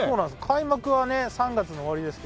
開幕はね３月の終わりですけど。